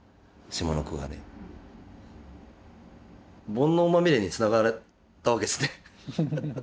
「煩悩まみれ」につながったわけですね。